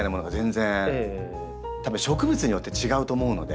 たぶん植物によって違うと思うので。